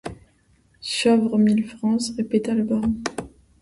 Ch’ovre mile vrans!... répéta le baron.